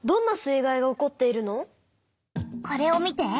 これを見て。